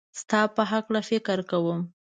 ستا په هکله فکر کوم